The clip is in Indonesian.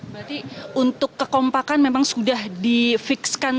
berarti untuk kekompakan memang sudah difikskan